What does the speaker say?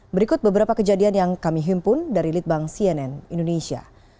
berikut beberapa kejadian yang kami himpun dari litbang cnn indonesia